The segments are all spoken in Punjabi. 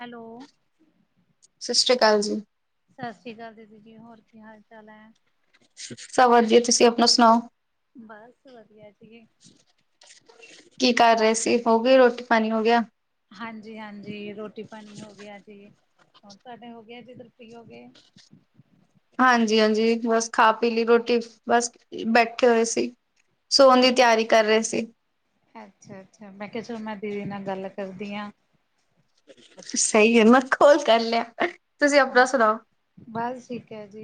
ਹੈਲੋ ਸਸ ਸ੍ਰੀ ਕਾਲ ਜੀ। ਸਸ ਸ੍ਰੀ ਕਾਲ ਦੀਦੀ ਜੀ, ਹੋਰ ਕੀ ਹਾਲ ਚਾਲ ਹੈ। ਸਬ ਵਧੀਆ ਤੁਸੀਂ ਆਪਣਾ ਸੁਣਾਓ। ਬਸ ਵਧੀਆ ਜੀ। ਕੀ ਕਰ ਰਹੇ ਸੀ ਹੋ ਗਈ ਰੋਟੀ ਪਾਣੀ ਹੋ ਗਿਆ। ਹਾਂਜੀ-ਹਾਂਜੀ ਰੋਟੀ ਪਾਣੀ ਹੋ ਗਿਆ ਜੀ ਹੋਰ ਤੁਹਾਡੇ ਹੋ ਗਏ ਜੀ ਉੱਧਰ ਫ੍ਰੀ ਹੋ ਗਏ। ਹਾਂਜੀ-ਹਾਂਜੀ ਬਸ ਖਾ ਪੀ ਲਈ ਰੋਟੀ ਬਸ ਬੈਠੇ ਹੋਏ ਸੀ। ਸੌਣ ਦੀ ਤਿਆਰੀ ਕਰ ਰਹੇ ਸੀ। ਅੱਛਾ-ਅੱਛਾ ਮੈਂ ਕਿਹਾ ਚਲੋ ਮੈਂ ਦੀਦੀ ਨਾਲ ਗੱਲ ਕਰਦੀ ਆ। ਸਹੀ ਹੈ ਮੈਂ ਕੋਲ ਕਰ ਲਿਆ ਤੁਸੀਂ ਆਪਣਾ ਸੁਣਾਓ। ਬਸ ਠੀਕ ਹੈ ਜੀ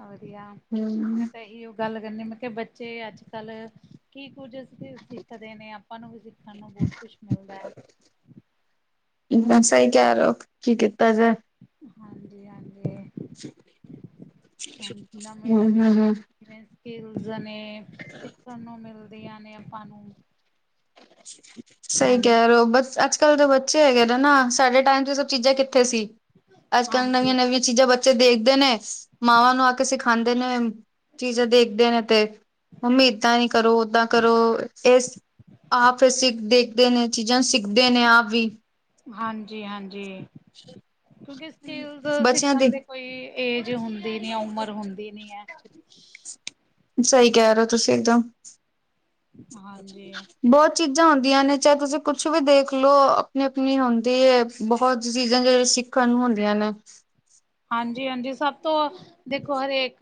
ਵਧੀਆ ਮੈਂ ਹੂੰ, ਤਾਂ ਇਹੀ ਗੱਲ ਕਰਨੀ ਮਤਲਬ ਬੱਚੇ ਅੱਜ ਕੱਲ ਕੀ ਕੁੱਝ ਸਿੱਖਦੇ ਨੇ ਆਪਾਂ ਨੂੰ ਵੀ ਸਾਨੂੰ ਬੋਹਤ ਕੁੱਛ ਮਿਲਦਾ। ਇਨ੍ਹਾਂ ਸਹੀ ਕਹਿ ਰਹੇ ਹੋ ਕੀ ਕੀਤਾ ਜੇ। ਹਾਂਜੀ-ਹਾਂਜੀ ਹੁਣ ਹੂੰ ਨਵੀਂ-ਨਵੀਂ ਹੂੰ ਹੂੰ, ਜਿਵੇਂ ਸਕਿਲਸ ਨੇ ਸਿੱਖਣ ਨੂੰ ਮਿਲਦੀ ਨੇ ਆਪਾਂ ਨੂੰ। ਹਾਂ ਸਹੀ ਕਹਿ ਰਹੇ ਹੋ ਬੱਸ ਅੱਜ ਅੱਜ ਕੱਲ ਦੇ ਬੱਚੇ ਹੈਗੇ ਨੇ ਨਾ ਸਾਡੇ ਟਾਈਮ ਚ ਸਭ ਚੀਜ਼ਾਂ ਕਿੱਥੇ ਸੀ ਅੱਜ ਕੱਲ ਨਵੀਆਂ ਹਾਂਜੀ ਨਵੀਂ ਚੀਜ਼ਾਂ ਬੱਚੇ ਦੇਖਦੇ ਨੇ ਮਾਵਾਂ ਨੂੰ ਆ ਕੇ ਸਿਖਾਦੇ ਨੇ। ਚੀਜ਼ਾਂ ਦੇਖਦੇ ਨੇ ਤੇ ਮੰਮੀ ਏਦਾਂ ਨੀਂ ਕਰੋ, ਉਦਾਂ ਕਰੋ ਇਸ ਆਪ ਸੀਖ ਦੇਖਦੇ ਨੇ ਚੀਜ਼ਾਂ ਸਿੱਖਦੇ ਨੇ ਆਪ ਵੀ ਹਾਂਜੀ ਹਾਂਜੀ, ਕਿਉਂਕਿ ਸਕਿਲਸ ਬੱਚਿਆਂ ਸਿਖਣ ਦੀ ਦੇ ਕੋਈ ਏਜ ਹੁੰਦੀ ਨੀਂ ਏ ਉਮਰ ਹੁੰਦੀ ਨੀਂ ਐ। ਸਹੀ ਕਹਿ ਰਹੇ ਹੋ ਤੁਸੀਂ ਇੱਕਦਮ, ਹਾਂਜੀ ਬਹੁਤ ਚੀਜ਼ਾਂ ਹੁੰਦੀਆਂ ਨੇਂ ਚਾਹੇ ਤੁਸੀਂ ਕੁੱਛ ਵੀ ਦੇਖ ਲਓ ਆਪਣੀ-ਆਪਣੀ ਹੁੰਦੀ ਐ ਬਹੁਤ ਚੀਜ਼ਾਂ ਜਿਹੜੇ ਸਿੱਖਣ ਸਿੱਖਣ ਨੂੰ ਹੁੰਦੀਆਂ ਨੇਂ। ਹਾਂਜੀ ਹਾਂਜੀ ਸਭ ਤੋਂ ਦੇਖੋ ਹਰੇਕ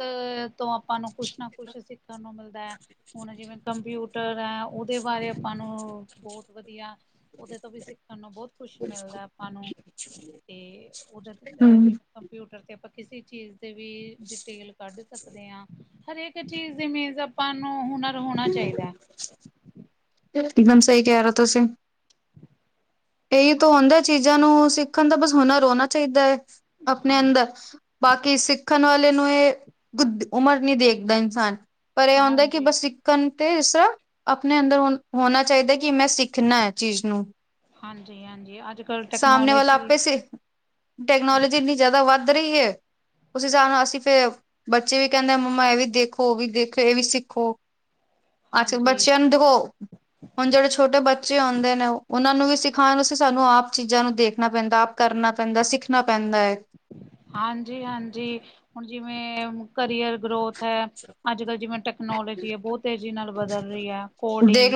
ਤੋਂ ਆਪਾਂ ਨੂੰ ਕੁੱਛ ਨਾਂ ਕੁੱਛ ਸਿੱਖਣ ਨੂੰ ਮਿਲਦਾ ਐ, ਹੁਣ ਜਿਵੇਂ ਕੰਪਿਊਟਰ ਐ ਉਹਦੇ ਬਾਰੇ ਆਪਾਂ ਨੂੰ ਬਹੁਤ ਵਧੀਆ ਉਹਦੇ ਤੋਂ ਵੀ ਸਿੱਖਣ ਨੂੰ ਬਹੁਤ ਕੁੱਛ ਮਿਲਦਾ ਆਪਾਂ ਨੂੰ ਤੇ ਉਹਦੇ ਹਮ ਅ ਕੰਪਿਊਟਰ ਤੇ ਆਪਾਂ ਕਿਸੇ ਚੀਜ਼ ਦੇ ਵੀ ਡਿਟੇਲ ਕੱਢ ਸਕਦੇ ਆਂ। ਹਰੇਕ ਚੀਜ਼ ਜਿਵੇਂ ਆਪਾਂ ਨੂੰ ਹੁਣ ਇੱਕਦਮ ਸਹੀ ਕਹਿ ਰਹੇ ਔ ਤੁਸੀਂ ਇਹੀ ਤਾਂ ਹਾਂ ਹੁੰਦਾ ਚੀਜ਼ਾਂ ਨੂੰ ਸਿੱਖਣ ਦਾ ਬਸ ਹੁਨਰ ਹੋਣਾ ਚਾਈਦਾ ਐ ਆਪਣੇ ਹਾਂ ਅੰਦਰ ਬਾਕੀ ਸਿੱਖਣ ਵਾਲੇ ਨੂੰ ਇਹ ਗੁਦ ਉਮਰ ਨ੍ਹੀਂ ਦੇਖਦਾ ਇਨਸਾਨ ਪਰ ਇਹ ਆਉਂਦਾ ਕਿ ਹਾਂਜੀ ਬਸ ਸਿੱਖਣ ਤੇ ਇਸਰ੍ਹਾਂ ਆਪਣੇ ਅੰਦਰ ਹੋਣਾ ਚਾਹੀਦਾ ਕਿ ਮੈਂ ਸਿੱਖ ਸਿੱਖਣਾ ਐ ਚੀਜ਼ ਨੂੰ ਹਾਂਜੀ ਹਾਂਜੀ, ਅੱਜ ਕੱਲ੍ਹ ਸਾਹਮਣੇ ਵਾਲਾ ਟੈਕਨੋਲੋਜੀ ਆਪੇ ਸਿੱਖ ਹਾਂ ਟੈਕਨੋਲੋਜੀ ਇੰਨੀ ਜ਼ਿਆਦਾ ਵੱਧ ਰਹੀ ਐ। ਉਸ ਹਿਸਾਬ ਨਾਲ ਅਸੀਂ ਫਿਰ ਬੱਚੇ ਵੀ ਕਹਿੰਦੇ ਮੰਮਾ ਇਹ ਵੀ ਦੇਖੋ, ਉਹ ਵੀ ਦੇਖੋ, ਇਹ ਵੀ ਸਿੱਖੋ। ਅੱਜ-ਕੱਲ ਹਾਂਜੀ ਬੱਚਿਆਂ ਨੂੰ ਦੇਖੋ, ਹੁਣ ਜਿਹੜੇ ਛੋਟੇ ਬੱਚੇ ਆਉਂਦੇ ਨੇਂ ਉਹਨਾਂ ਨੂੰ ਵੀ ਸਿਖਾਉਣ ਸਾਨੂੰ ਆਪ ਚੀਜ਼ਾਂ ਨੂੰ ਦੇਖਣਾ ਪੈਂਦਾ ਆਪ ਕਰਨਾ ਪੈਂਦਾ, ਸਿੱਖਣਾ ਪੈਂਦਾ ਐ। ਹਾਂਜੀ ਹਾਂਜੀ, ਹੁਣ ਜਿਵੇਂ ਹੁਣ ਕਰੀਅਰ ਗਰੋਥ ਐ, ਅੱਜ-ਕੱਲ੍ਹ ਜਿਵੇਂ ਟੈਕਨੋਲੋਜੀ ਐ ਬਹੁਤ ਤੇਜ਼ੀ ਨਾਲ ਬਦਲ ਰਹੀ ਐ ਕੋਡਿੰਗ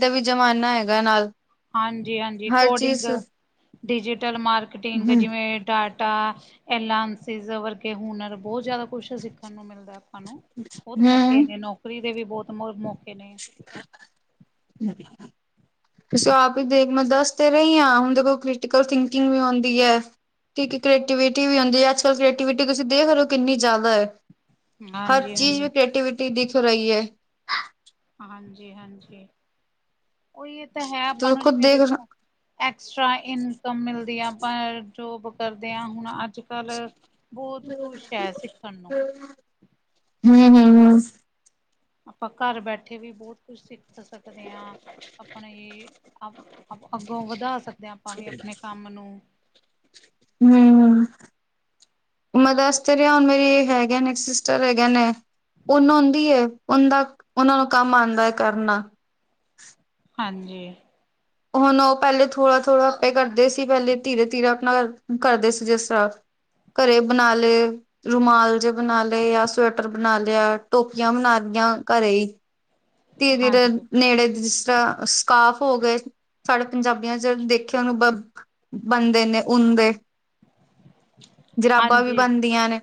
ਕੋਡਿੰਗ ਦਾ ਵੀ ਜ਼ਮਾਨਾ ਹੈਗਾ ਨਾਲ ਹਾਂਜੀ ਹਾਂਜੀ, ਹਰ ਕੋਡਿੰਗ, ਚੀਜ਼ ਡਿਜੀਟਲ ਮਾਰਕੀਟਿੰਗ ਹੂੰ ਜਿਵੇਂ ਡਾਟ ਟਾ ਐਲਾਂਸਿਸ ਵਰਗੇ ਹੁਨਰ ਬਹੁਤ ਜ਼ਿਆਦਾ ਕੁਛ ਸਿੱਖਣ ਨੂੰ ਮਿਲਦਾ। ਸਾਨੂੰ ਬਹੁਤ ਮੌਕੇ ਹੂੰ ਨੇਂ, ਨੌਕਰੀ ਦੇ ਵੀ ਬਹੁਤ ਮੌ ਮੌਕੇ ਨੇਂ। [inaudible] ਤੁਸੀਂ ਆਪ ਹੀ ਦੇਖ ਮੈਂ ਦੱਸਦੇ ਰਹੀ ਆਂ ਹੁਣ ਦੇਖੋ ਕ੍ਰਿਟੀਕਲ ਥਿੰਕਿੰਗ ਵੀ ਆਉਂਦੀ ਐ। ਇੱਕ ਕ੍ਰੀਏਟੀਵਿਟੀ ਵੀ ਹੁੰਦੀ ਐ, ਅੱਜ-ਕੱਲ੍ਹ ਕ੍ਰੀਏਟੀਵਿਟੀ ਤੁਸੀਂ ਦੇਖ ਰਹੇ ਹੋ ਕਿੰਨੀ ਜ਼ਿਆਦਾ ਐ। ਹਰ ਚੀਜ਼ ਹਾਂਜੀ-ਹਾਂਜੀ। ਵੀ ਕ੍ਰੀਏਟੀਿਵਿਟੀ ਦਿਖ ਰਹੀ ਐ। ਹਾਂਜੀ ਹਾਂਜੀ, ਉਹੀ ਇਹ ਤਾਂ ਹੈ ਆਪਾਂ ਤੂੰ ਨੂੰ ਖੁਦ ਜਿਵੇਂ ਦੇਖ ਰ ਦੱਸੋ ਐਕਸਟਰਾ ਇਨਕਮ ਮਿਲਦੀ ਆ, ਆਪਾਂ ਜੋਬ ਕਰਦੇ ਆਂ ਹੁਣ ਅੱਜ ਕੱਲ ਬਹੁਤ ਖੁਸ਼ ਐ ਸਿੱਖਣ ਨੂੰ ਹਂ, ਹਂ, ਹਂ ਆਪਾਂ ਘਰ ਬੈਠੇ ਵੀ ਬਹੁਤ ਕੁਝ ਸਿੱਖ ਸਕਦੇ ਹਾਂ। ਆਪਣੇ ਆਪ ਅੱਗੋਂ ਵਧਾ ਸਕਦੇ ਹਾਂ ਆਪਾਂ ਵੀ ਆਪਣੇ ਕੰਮ ਨੂੰ ਹਂ ਮੈਂ ਦਸ ਤਾਂ ਰਿਆਂ ਹੁਣ ਮੇਰੀ ਹੈਗੇ ਨੇਂ, ਇੱਕ ਸਿਸਟਰ ਹੈਗੇ ਨੇਂ। ਉਹਨੁੰ ਆਂਦੀ ਐ ਉਹਦਾ ਉਹਨਾਂ ਨੂੰ ਕੰਮ ਆਂਦਾ ਐ ਕਰਨਾ। ਹਾਂਜੀ। ਹੁਣ ਉਹ ਪਹਿਲੇ ਥੋੜ੍ਹਾ-ਥੋੜ੍ਹਾ ਆਪੇ ਕਰਦੇ ਸੀ। ਪਹਿਲੇ ਧੀਰੇ-ਧੀਰੇ ਆਪਣਾ ਕਰਦੇ ਸੀ ਜਿਸ ਤਰ੍ਹਾਂ ਘਰੇ ਬਣਾ ਲੇ ਰੁਮਾਲ ਜੇ ਬਣਾ ਲੇ ਜਾਂ ਸਵੈਟਰ, ਬਣਾ ਲਿਆ ਟੋਪੀਆਂ ਬਣਾ ਲੀਆਂ ਘਰੇ ਈ। ਤੀ ਫਿਰ ਹਾਂਜੀ, ਨੇੜੇ ਦਿਸ ਸਕਾਫ ਹੋ ਗਏ ਸਾਡੇ ਪੰਜਾਬੀਆਂ ਚ ਦੇਖਿਆ ਓਨੂੰ ਬਣਦੇ ਨੇ ਊਨ ਦੇ ਜਰਾਬਾਂ ਵੀ ਹਾਂਜੀ। ਬਨਦੀਆਂ ਨੇ।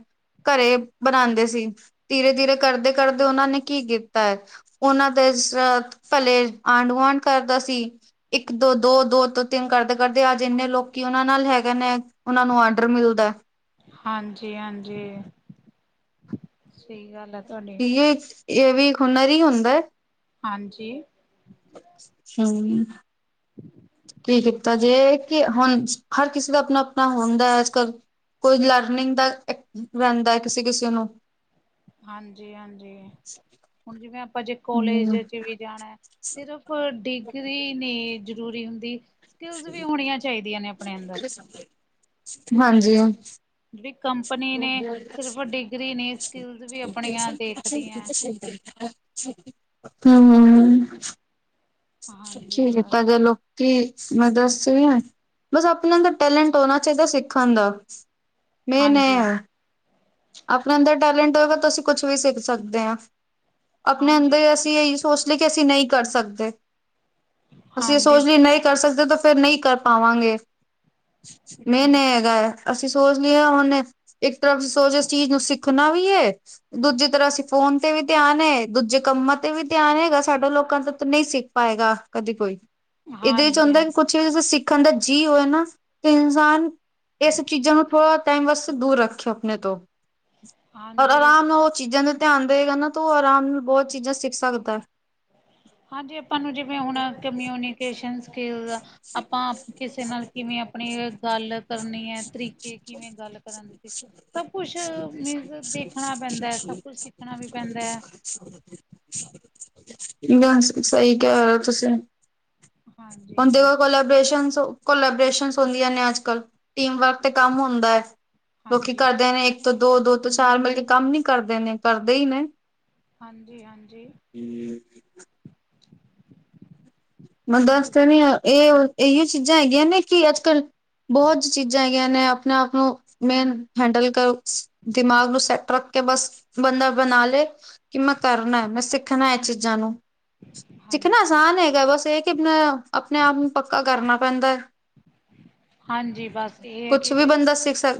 ਘਰੇ ਬਨਾਦੇ ਸੀ ਧੀਰੇ-ਧੀਰੇ ਕਰਦੇ-ਕਰਦੇ ਓਨਾਂ ਨੇ ਕੀ ਕੀਤਾ ਐ। ਓਨਾਂ ਦੇ ਜਿਸ ਤਰ੍ਹਾ ਪੈਲੇ ਆਂਢ-ਗੁਆਂਢ ਕਰਦਾ ਸੀ। ਇੱਕ ਤੋ ਦੋ, ਦੋ ਤੋ ਤਿੰਨ ਕਰਦੇ-ਕਰਦੇ ਅੱਜ ਏਨੇ ਲੋਕੀ ਓਨਾਂ ਨਾਲ ਹੈਗੇ ਨੇ। ਓਨਾਂ ਨੂੰ ਆਡਰ ਮਿਲਦਾ। ਹਾਂਜੀ-ਹਾਂਜੀ, ਸਈ ਗੱਲ ਐ ਤੁਆਡੀ। ਏ ਵੀ ਹੁਨਰ ਈ ਹੁੰਦਾ। ਹਾਂਜੀ। ਹੂੰ। ਕੀ ਕੀਤਾ ਜੇ ਕਿ ਹੁਣ ਹਰ ਕਿਸੇ ਦਾ ਆਪਣਾ-ਆਪਣਾ ਹੁੰਦਾ ਅੱਜਕੱਲ੍ਹ ਕੋਈ ਲਰਨਿੰਗ ਦਾ ਰੈਂਦਾ ਐ ਕਿਸੇ-ਕਿਸੇ ਨੂੰ ਹਾਂਜੀ-ਹਾਂਜੀ, ਹੁਣ ਜਿਵੇਂ ਆਪਾਂ ਜੇ ਕਾਲਜ ਹੂੰ 'ਚ ਵੀ ਜਾਣਾ ਹੈ। ਸਿਰਫ਼ ਡੀਗਰੀ ਨੀ ਜ਼ਰੂਰੀ ਹੁੰਦੀ। ਸਕਿਲਜ ਵੀ ਹੋਣੀਆਂ ਚਾਹੀਦੀਆਂ ਨੇ ਆਪਣੇ ਅੰਦਰ ਹਾਂਜੀ। ਜੇੜੀ ਕੰਪਨੀ ਨੇ ਸਿਰਫ਼ ਡਿਗਰੀ ਨੀ ਸਕਿੱਲਸ ਵੀ ਆਪਣੀਆਂ ਦੇਖਦੀਆਂ। [inaudible] [inaudible] ਕੀ ਹਾਂਜੀ ਬਸ ਮੈਂ ਦੱਸ ਰਈ ਆ ਬਸ ਆਪਣਾ ਅੰਦਰ ਟੈਲੈਂਟ ਹੋਣਾ ਚਾਈਦਾ ਸਿੱਖਣ ਦਾ ਮੇਨ ਐ ਹਾਂਜੀ ਆ। ਆਪਣੇ ਅੰਦਰ ਟੈਲੈਂਟ ਹੋਏਗਾ ਤਾਂ ਅਸੀਂ ਕੁਛ ਵੀ ਸਿੱਖ ਸਕਦੇ ਆਂ ਆਪਣੇ ਹਾਂਜੀ, ਅੰਦਰ ਅਸੀਂ ਏਹੀ ਸੋਚ ਕਿ ਅਸੀਂ ਨਈ ਕਰ ਸਕਦੇ ਅਸੀਂ ਏਹ ਹਾਂਜੀ, ਸੋਚ ਲਈਏ ਨਈ ਕਰ ਸਕਦੇ ਤਾਂ ਫੇਰ ਨਈ ਕਰ ਪਾਵਾਂਗੇ ਮੇਨ ਹੂੰ ਏ ਹੈਗਾ। ਅਸੀਂ ਸੋਚ ਲਈਏ ਓਨੇ ਇੱਕ ਤਰਫ ਸੋਚ ਇਸ ਚੀਜ਼ ਨੂੰ ਸਿੱਖਣਾ ਵੀ ਏ ਦੂਜੀ ਤਰ੍ਹਾਂ ਅਸੀਂ ਫੋਨ ਤੇ ਵੀ ਧਿਆਨ ਏ ਦੂਜੇ ਕੰਮਾਂ ਤੇ ਵੀ ਧਿਆਨ ਹੈਗਾ ਸਾਡਾ ਲੋਕਾਂ ਦਾ ਨਈ ਸੀ ਪਾਏਗਾ ਕਦੇ ਕੋਈ ਏਦੇ ਚ ਹਾਂਜੀ, ਹੁੰਦਾ ਹਾਂ ਕਿ ਚੀਜ਼ ਸਿੱਖਣ ਦਾ ਜੀ ਹੋਏ ਨਾ ਤੇ ਇਨਸਾਨ ਏ ਸਭ ਚੀਜ਼ਾਂ ਨੂੰ ਥੋੜ੍ਹਾ ਟਾਈਮ ਬਸ ਦੂਰ ਰੱਖਿਓ ਆਪਣੇ ਤੋਂ। ਔਰ ਹਾਂਜੀ। ਆਰਾਮ ਨਾਲ ਓ ਚੀਜ਼ਾਂ ਦੇ ਧਿਆਨ ਦੇਏਗਾ ਨਾ ਤੂੰ ਆਰਾਮ ਨਾਲ ਬਹੁਤ ਚੀਜ਼ਾਂ ਸਿੱਖ ਸਕਦਾ। ਹਾਂਜੀ, ਆਪਾਂ ਨੂੰ ਜਿਵੇਂ ਹੁਣ ਕਮਿਊਨੀਕੇਸ਼ਨ ਸਕਿੱਲਸ ਆ। ਆਪਾਂ ਕਿਸੇ ਨਾਲ ਕਿਵੇਂ ਆਪਣੀ ਗੱਲ ਕਰਨੀ ਐ ਤਰੀਕੇ ਕਿਵੇਂ ਗੱਲ ਕਰਨ ਦੇ ਸਭ ਕੁਛ ਮੀਨਸ ਦੇਖਣਾ ਪੈਂਦਾ ਸਭ ਕੁਛ ਸਿੱਖਣਾ ਵੀ ਪੈਂਦਾ। ਬਸ ਸਹੀ ਕਹਿ ਰਹੇ ਓ ਤੁਸੀਂ। ਹਾਂਜੀ, ਹੁਣ ਹਾਂਜੀ, ਦਿਓ। ਕੋਲਾਬ੍ਰੇਸ਼ਨ-ਕੋਲਾਬਰੇਸ਼ਨ ਹੁੰਦੀਆਂ ਨੇ ਅੱਜਕੱਲ੍ਹ ਟੀਮ ਵਰਕ ਤੇ ਕੰਮ ਹੁੰਦਾ ਹੈ। ਲੋਕੀ ਹਾਂਜੀ, ਕਰਦੇ ਨੇ ਇੱਕ ਤੋਂ ਦੋ, ਦੋ ਤੋਂ ਚਾਰ ਮਤਲਬ ਕੇ ਕੰਮ ਨੀ ਕਰਦੇ ਨੇ ਕਰਦੇ ਈ ਨੇ। ਹਾਂਜੀ-ਹਾਂਜੀ। ਹੂੰ। ਮੈ ਦੱਸ ਦੇਨੀ ਆ ਏ ਏਹੀਓ ਚੀਜ਼ਾਂ ਹੈਗੀਆਂ ਨੇ ਕਿ ਅੱਜਕੱਲ੍ਹ ਬਹੁਤ ਚੀਜ਼ਾਂਹ ਨੇ ਆਪਣੇ-ਆਪ ਨੂੰ ਮੇਨ ਹੈਂਡਲ ਕਰੋ ਦਿਮਾਗ ਨੂੰ ਸੈਟ ਰੱਖ ਕੇ ਬਸ ਬੰਦਾ ਬਣਾ ਲੇ। ਕਿ ਮੈਂ ਕਰਨਾ, ਮੈਂ ਸਿੱਖਣਾ ਇਹ ਚੀਜ਼ਾਂ ਨੂੰ, ਸਿੱਖਣਾ ਹਾਂਜੀ, ਆਸਾਨ ਹੈਗਾ ਬਸ! ਇਹ ਹੈ ਕਿ ਮੈਂ ਆਪਣੇ ਆਪ ਨੂੰ ਪੱਕਾ ਕਰਨਾ ਪੈਂਦਾ ਹੈ। ਹਾਂਜੀ ਬਸ ਇਹ ਹੈ ਕਿ ਕੁਛ ਵੀ ਇਹਦੇ ਬੰਦਾ ਸਿੱਖ ਸਕ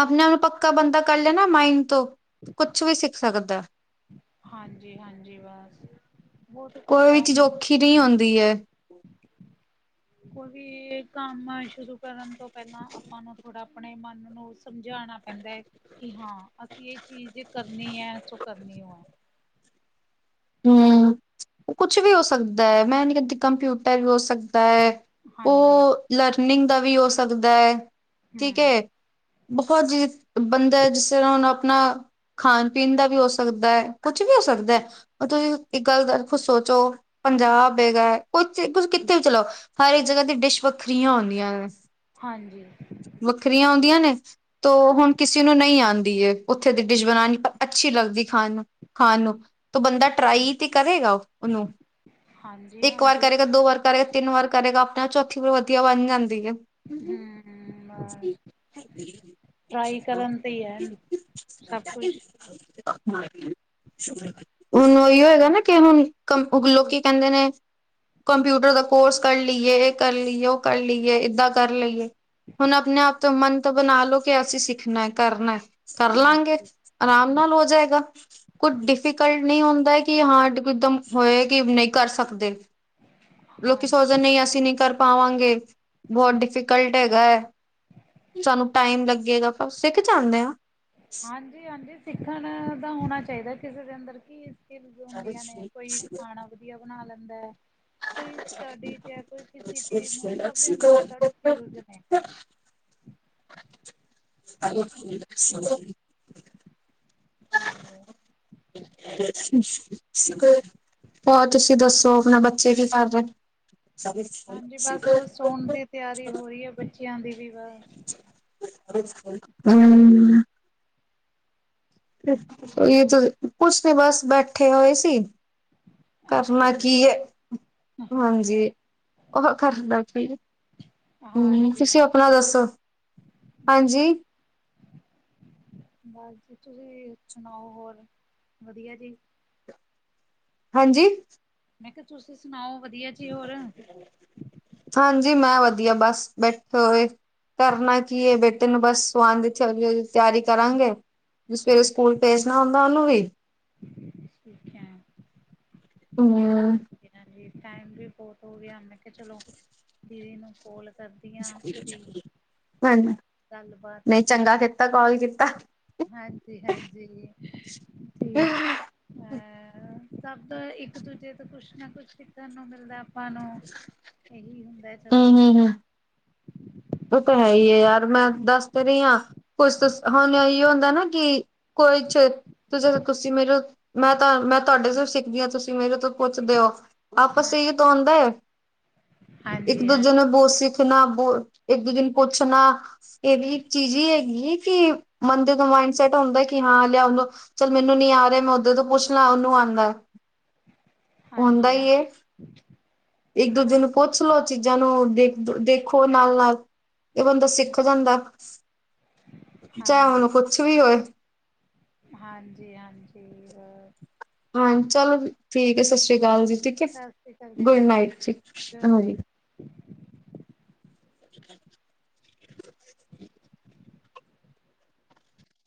ਆਪਣੇ ਆਪ ਨੂੰ ਪੱਕਾ ਬੰਦਾ ਕਰ ਲੇ ਨਾ ਮਾਈਡ ਤੋਂ ਕੁਛ ਵੀ ਸਿੱਖ ਸਕਦਾ। ਹਾਂਜੀ, ਹਾਂਜੀ ਬਸ। ਬਹੁਤ ਕੁਛ ਕੋਈ ਵੀ ਹੈ ਚੀਜ਼ ਔਖੀ ਨਹੀਂ ਹੁਣ। ਹੁੰਦੀ ਏ। ਕੋਈ ਵੀ ਕੰਮ ਸ਼ੁਰੂ ਕਰਨ ਤੋਂ ਪਹਿਲਾਂ ਆਪਾਂ ਨੂੰ ਥੋੜ੍ਹਾ ਆਪਣੇ ਮਨ ਨੂੰ ਸਮਝਾਣਾ ਕਹਿੰਦੇ ਹੈ ਕਿ ਹਾਂ ਅਸੀਂ ਇਹ ਚੀਜ਼ ਕਰਨੀ ਹੈ, ਸੋ ਕਰਨੀ ਹੋ ਹੈ। ਹੂ ਕੁਛ ਵੀ ਹੋ ਸਕਦਾ ਹੈ, ਮੈਂ ਨੀ ਕਹਿੰਦੀ ਕੰਪਿਊਟਰ ਵੀ ਹੋ ਸਕਦਾ ਹੈ। ਹਾਂਜੀ ਉਹ ਲਰਨਿੰਗ ਦਾ ਵੀ ਹੋ ਸਕਦਾ ਹੈ ਠੀਕ ਹਮ ਹੈ। ਬਹੁਤ ਜੀ ਬੰਦਾ ਹੈ ਜਿਸ ਤਰ੍ਹਾਂ ਹੁਣ ਆਪਣਾ ਖਾਣ ਪੀਣ ਦਾ ਵੀ ਹੋ ਸਕਦਾ ਹੈ। ਕੁੱਛ ਵੀ ਹੋ ਸਕਦਾ ਐ ਤੁਸੀਂ ਇੱਕ ਗੱਲ ਦਾ ਕੁ ਸੋਚੋ ਪੰਜਾਬ ਹੈਗਾ ਕੁਛ ਕੁਛ ਕਿੱਥੇ ਵੀ ਚਲੋ! ਹਰ ਇੱਕ ਜਗ੍ਹਾ ਤੇ ਡਿਸ਼ ਵੱਖਰੀਆਂ ਹੁੰਦੀਆਂ ਨੇ। ਹਾਂਜੀ। ਵੱਖਰੀਆਂ ਹੁੰਦੀਆਂ ਨੇ। ਤੋ ਹੁਣ ਕਿਸੇ ਨੂੰ ਨਹੀਂ ਆਉਂਦੀਏ, ਉੱਥੇ ਦੀ ਡਿਸ਼ ਬਣਾਉਣੀ ਪਰ ਅੱਛੀ ਲੱਗਦੀ ਖਾਣ ਨੂੰ ਖਾਨ ਨੂੰ ਤ ਬੰਦਾ ਟਰਾਈ ਤੇ ਕਰੇਗਾ ਉਹਨੂੰ, ਹਾਂਜੀ ਇੱਕ ਵਾਰ ਹਾਂਜੀ ਕਰੇਗਾ ਦੋ ਵਾਰ ਕਰੇਗਾ ਤਿੰਨ ਵਾਰ ਕਰੇਗਾ ਆਪਣੇ ਆਪ ਚੌਥੀ ਵਾਰ ਵਧੀਆ ਬਣ ਜਾਂਦੀ ਹੈ। ਹੂ ਹੂ ਬਸ ਟਰਾਈ ਕਰਨ ਤੇ ਹੀ ਐ ਸਭ ਕੁਛ ਹੁਣ ਉਹੀਓ ਹੈਗਾ ਨਾ ਕਿ ਹੁਣ ਕੰਮ ਲੋਕੀ ਕਹਿੰਦੇ ਨੇ ਕੰਪਿਊਟਰ ਦਾ ਕੋਰਸ ਕਰ ਲਈਏ ਇਹ ਕਰ ਲਈਏ ਉਹ ਕਰ ਲਈਏ, ਏਦਾਂ ਕਰ ਲਈਏ। ਹੁਣ ਆਪਣੇ ਆਪ ਤੋਂ ਮਨ ਤਾਂ ਬਣਾ ਲਓ ਕਿ ਅਸੀਂ ਸਿੱਖਣਾ ਕਰਨਾ ਏ! ਕਰ ਲਾਂਗੇ ਹਾਂਜੀ ਆਰਾਮ ਹਾਂਜੀ ਨਾਲ ਹੋ ਜਾਏਗਾ ਕੁੱਛ ਡਿਫ ਕਲ ਨਹੀਂ ਹੁੰਦਾ ਕਿ ਹਾਰਡ, ਹੋਏ ਕਿ ਨਹੀਂ ਕਰ ਸਕਦੇ। ਲੋਕੀ ਸੋਚਦੇ ਹਾਂਜੀ ਨਹੀਂ ਅਸੀਂ ਨਹੀਂ ਕਰ ਪਾਵਾਂਗੇ। ਬਹੁਤ ਹਮ ਡਿਫੀਕਲਟ ਹੈਗਾ ਹੈ, ਸਾਨੂੰ ਟਾਈਮ ਲੱਗੇਗਾ ਆਪਾਂ ਸਿੱਖ ਜਾਂਦੇ ਹਾਂ। ਹਾਂਜੀ ਹਾਂਜੀ ਸਿੱਖਣ ਦਾ ਹੋਣਾ ਚਾਹੀਦਾ ਕਿਸੇ ਦੇ ਅੰਦਰ, ਕੀ ਏ ਸਕਿਲਸ ਹੁੰਦੀਆਂ ਨੇ, ਕੋਈ ਖਾਣਾ ਵਧੀਆ ਬਣਾ ਲੈਂਦਾ। ਕੋਈ ਸਟੱਡੀ ਚ ਐ ਕੋਈ ਕਿਸੀ ਚੀਜ ਐ, ਸਭ ਦੇ ਅੰਦਰ ਅੱਡ ਅੱਡ ਸਕਿਲਸ ਹੈਗੇ ਨੇ। ਅ [inaudible] ਹਾਂਜੀ ਹੋਰ ਤੁਸੀਂ ਦੱਸੋ ਆਪਣੇ ਬੱਚੇ ਕੀ ਕਰਦੇ ਨ? ਹਾਂਜੀ ਬਸ ਸੋਣ ਦੀ ਤਿਆਰੀ ਹੋ ਰਹੀ ਹੈ, ਬੱਚਿਆਂ ਦੀ ਵੀ ਬਸ ਹਮ [inaudible] ਇਹ ਕੁਛ ਨੀ ਬਸ ਬੈਠੇ ਹੋਏ ਸੀ ਅੱਛਾ ਕਰਨਾ ਜੀ, ਕੀ ਹੈ ਹਾਂਜੀ ਉਹ ਠੀਕ ਕਰਦਾ ਫਿ ਹੂ ਤੁਸੀਂ ਆਪਣਾ ਹਾਂਜੀ-ਹਾਂਜੀ ਦੱਸੋ ਬਸ ਹਾਂਜੀ ਜੀ ਬਸ ਜੀ ਤੁਸੀਂ ਸੁਣਾਓ ਹੋਰ ਵਧੀਆ ਜੀ ਹਾਂਜੀ ਮੈਂ ਕਿਹਾ ਤੁਸੀ ਸੁਣਾਓ ਵਧੀਆ ਜੀ ਹੋਰ ਹਾਂਜੀ ਮੈਂ ਵਧੀਆ ਬਸ ਬੈਠੇ ਹੋਏ ਕਰਨਾ ਕੀ ਹੈ ਬੇਟੇ ਨੂੰ ਬਸ ਸਵਾਣ ਦੀ ਅੱਛਾ ਉਹਦੀ ਤਿਆਰੀ ਕਰਾਂਗੇ ਸਵੇਰੇ ਸਕੂਲ ਭੇਜਣਾ ਹੁੰਦਾ ਉਹਨੂੰ ਵੀ ਠੀਕ ਹੈ ਹਮ ਹਾਂਜੀ। ਹਾਂਜੀ ਟਾਈਮ ਵੀ ਬਹੁਤ ਹੋ ਗਿਆ ਮੈਂ ਕਿਹਾ ਚਲੋ ਦੀਦੀ ਨੂੰ ਕੋੋਲ ਸਰਦੀਆਂ ਸੀ। ਹਾਂਜੀ ਨਹੀਂ ਚੰਗਾ ਕਰੀਏ ਕੀਤਾ ਚਲੋ ਕੋਲ ਕੀਤਾ। ਹਾਂਜੀ, ਹਾਂਜੀ। ਹ ਤੇ ਅਹ ਸਭ ਤੋਂ ਇੱਕ ਦੂਜੇ ਤੋਂ ਕੁਛ ਨਾ ਕੁਛ ਸਿੱਖਣ ਨੂੰ ਮਿਲਦਾ। ਆਪਾ ਨੂੰ ਇਹੀ ਹੁੰਦਾ ਹੈ ਚਲੋ। ਹਮ ਉਹ ਤਾਂ ਹੈ ਹੀ ਹੈ ਯਾਰ ਮੈਂ ਦੱਸ ਤੇ ਰਹੀ ਹਾਂ। ਕੁਛ ਦਸ ਹੁਣ ਇਹੀ ਹੁੰਦਾ ਨਾ ਕਿ ਕੋਈ ਚ ਤੇ ਜਦੋਂ ਤੁਸੀਂ ਮੇਰੇ ਮੈਂ ਤਾਂ ਮੈਂ ਤੁਹਾਡੇ ਤੋਂ ਸਿੱਖਦੀ ਹਾਂ ਤੁਸੀਂ ਮੇਰੇ ਤੋਂ ਪੁੱਛਦੇ ਹੋ। ਆਪਸ ਚ ਹਾਂ ਇਹੀ ਤਾਂ ਹੁੰਦਾ ਹੈ ਇੱਕ ਹਾਂਜੀ ਹਾਂ ਦੂਜੇ ਨੂੰ ਬੋਲ ਸਿੱਖ ਨਾ ਬੋ ਇੱਕ ਦੂਜੇ ਨੂੰ ਪੁੱਛਣਾ ਇਹ ਵੀ ਇਕ ਚੀਜ਼ ਹੀ ਹੈ ਨਹੀਂ ਕਿ ਬੰਦੇ ਦਾ ਮਾਇੰਡ ਸੈਟ ਹੁੰਦਾ ਕਿ ਹਾਂ ਲਿਆਉ ਦਿਓ। ਚੱਲ ਮੈਨੂੰ ਨੀ ਆ ਰਿਹਾ ਮੈਂ ਉਦੇ ਤੋਂ ਪੁੱਛ ਲਾਂ ਉਹਨੂੰ ਆਉਂਦਾ। ਹੁੰਦਾ ਹਾਂਜੀ ਹੀ ਹਾਂ ਏ ਇੱਕ ਦੋ ਹਾਂ ਦਿਨ। ਪੁੱਛ ਲਓ ਚੀਜ਼ਾਂ ਨੂੰ ਦੇਖ ਦੇਖੋ ਨਾਲ ਨਾਲ। ਇਹ ਬੰਦਾ ਸਿੱਖ ਜਾਂਦਾ ਚਾਹੇ ਉਹਨੂੰ ਹਾਂਜੀ ਕੁਛ ਵੀ ਹੋਏ। ਹਾਂਜੀ, ਹਾਂਜੀ ਬਸ। ਹਾਂ, ਚਲੋ ਠੀਕ ਹੈ, ਸਤਿ ਸ਼੍ਰੀ ਅਕਾਲ ਜੀ, ਠੀਕ ਹੈ, ਸਤਿ ਸ੍ਰੀ ਅਕਾਲ ਗੁੱਡ ਦੀਦੀ ਨਾਈਟ ਜੀ ਠੀਕ ਗੁਡ ਨਾਈਟ ਹਾਂਜੀ। ਅ